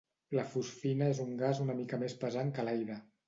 La fosfina és un gas una mica més pesant que l'aire.